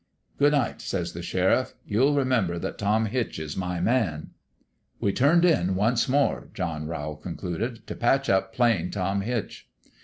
' Good night,' says the sheriff. 'You'll re member that Tom Hitch is my man.' " We turned in once more," John Rowl con cluded, " t' patch up Plain Tom Hitch."